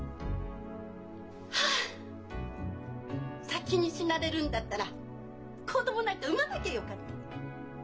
先に死なれるんだったら子供なんか産まなきゃよかった。